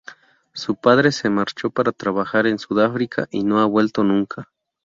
Su padre se marchó para trabajar en Sudáfrica y no ha vuelto nunca.